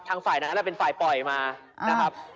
ฝ่ายนั้นเป็นฝ่ายปล่อยมานะครับ